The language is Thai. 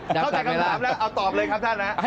เข้าใจคำถามแล้วเอาตอบเลยครับท่านนะ